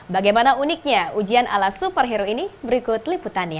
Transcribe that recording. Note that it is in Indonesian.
bagaimana uniknya ujian ala superhero ini berikut liputannya